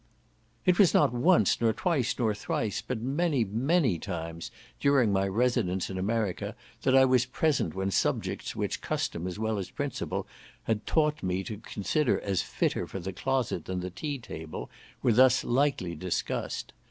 It was not once, nor twice, nor thrice, but many many times, during my residence in America, that I was present when subjects which custom as well as principle had taught me to consider as fitter for the closet than the tea table, were thus lightly discussed.